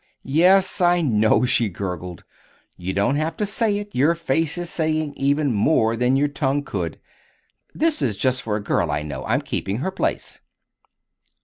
"Yes, I know," she gurgled. "You don't have to say it your face is saying even more than your tongue could! This is just for a girl I know. I'm keeping her place."